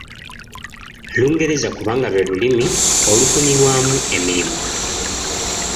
Lungereza kubanga lwe lulimi olufunirwamu emirimu.